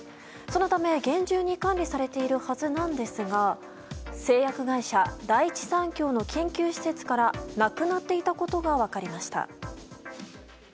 そのため厳重に管理されているはずなんですが製薬会社第一三共の研究施設からなくなっていたことが分かりました。